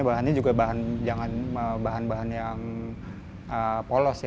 bahannya juga bahan jangan bahan bahan yang polos ya